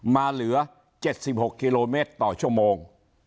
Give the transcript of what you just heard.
เหลือ๗๖กิโลเมตรต่อชั่วโมง